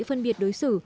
phân biệt đối xử